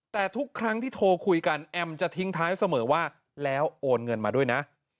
แต่ทุกครั้งที่โทรคุยกันแอมจะทิ้งท้ายเสมอว่าแล้วโอนเงินมาด้วยนะ